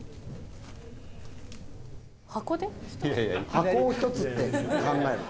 箱を１つって考えるの？